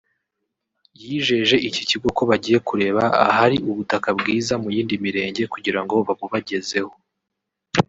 yijeje iki kigo ko bagiye kureba ahari ubutaka bwiza muy indi mirenge kugirango babubagezeho